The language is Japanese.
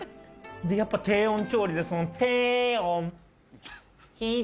でやっぱ低温調理でその。